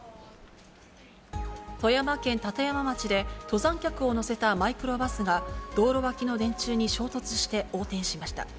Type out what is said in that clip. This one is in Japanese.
富山県立山町で、登山客を乗せたマイクロバスが、道路脇の電柱に衝突して横転しました。